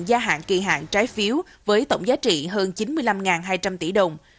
gia hạn kỳ hạn trái phiếu với tổng giá trị hơn chín mươi năm hai trăm linh tỷ đồng